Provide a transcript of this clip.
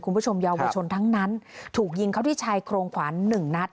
คุณผู้ชมเยาวชนทั้งนั้นถูกยิงเขาที่ชายโครงขวานหนึ่งนัด